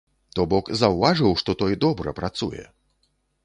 То бок заўважыў, што той добра працуе!